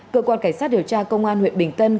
cơ quan cảnh sát điều tra công an huyện bình tân